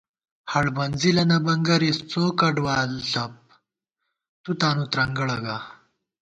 ہڑ بنزِلہ نہ بنگَرِس، څو کڈوال ݪَپ، تُو تانو ترنگَڑہ گا